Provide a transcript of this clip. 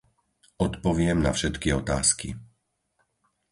Odpoviem na všetky otázky.